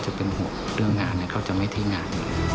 ทางผ่านออกของอันสารเนี้ยจะเป็นคนรับผิดชอบงาน